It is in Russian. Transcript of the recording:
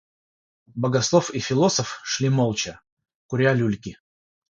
Богослов и философ шли молча, куря люльки.